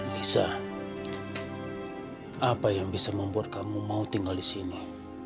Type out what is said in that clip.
nisa apa yang bisa membuat kamu mau tinggal di sini